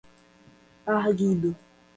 arguido